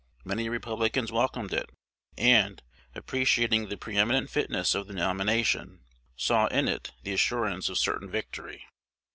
Many Republicans welcomed it, and, appreciating the pre eminent fitness of the nomination, saw in it the assurance of certain victory.